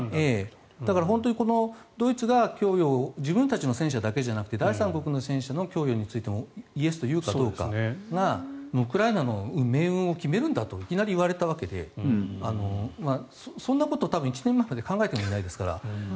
だから、ドイツが供与を自分たちの戦車だけじゃなくて第三国の戦車の供与についてもイエスと言うかどうかがウクライナの命運を決めるんだといきなり言われたわけでそんなことは１年前まで考えていないでしょうから。